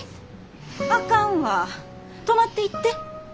あかんわ泊まっていって。